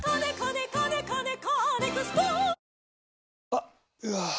あっ、うわー。